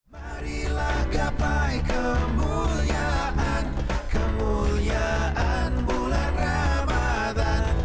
marilah gapai kemuliaan kemuliaan bulan ramadhan